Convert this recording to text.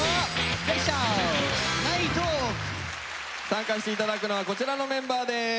参加して頂くのはこちらのメンバーです。